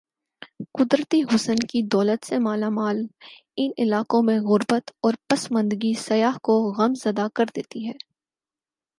قدرتی حسن کی دولت سے مالا مال ان علاقوں میں غر بت اور پس ماندگی سیاح کو غم زدہ کر دیتی ہے ۔